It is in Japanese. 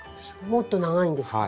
もっと長いんですか？